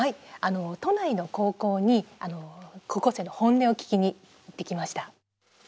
都内の高校に高校生の本音を聞きに行ってきました。